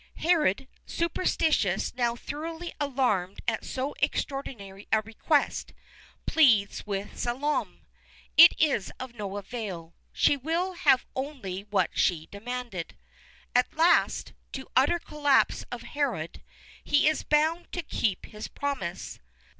Herod, superstitious and now thoroughly alarmed at so extraordinary a request, pleads with Salome. It is of no avail. She will have only what she demanded. At last, to the utter collapse of Herod, he is bound to keep his promise.